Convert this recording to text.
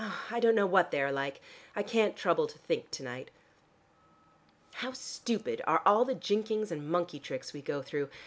I don't know what they are like: I can't trouble to think to night. How stupid are all the jinkings and monkey tricks we go through!